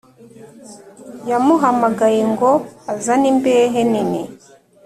yamuhamagaye ngo azane imbehe nini